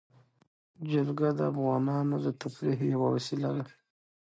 جلګه د افغانانو د تفریح یوه وسیله ده.